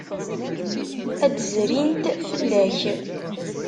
Ad d-zrint fell-ak.